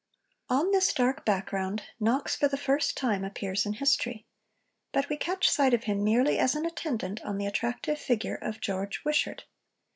On this dark background Knox for the first time appears in history. But we catch sight of him merely as an attendant on the attractive figure of George Wishart.